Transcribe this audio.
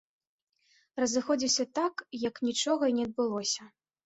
Разыходзіўся так, як нічога і не адбылося.